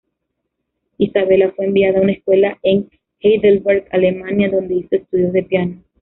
Isabella fue enviada a una escuela en Heidelberg, Alemania, donde hizo estudios de piano.